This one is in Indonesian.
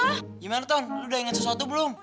gimana ton udah inget sesuatu belum